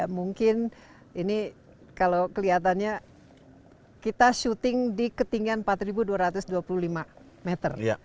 mungkin ini kalau kelihatannya kita syuting di ketinggian empat dua ratus dua puluh lima meter